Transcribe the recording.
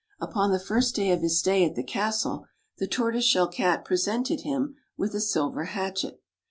Upon the first day of his stay at the castle, the Tortoise Shell Cat presented him with a silver hatchet.